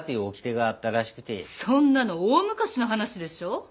そんなの大昔の話でしょう？